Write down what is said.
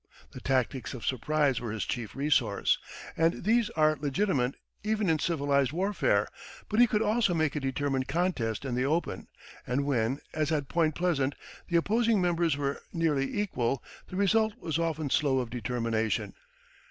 The tactics of surprise were his chief resource, and these are legitimate even in civilized warfare; but he could also make a determined contest in the open, and when, as at Point Pleasant, the opposing numbers were nearly equal, the result was often slow of determination.